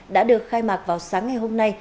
đã được khai mạc vào sáng ngày hôm nay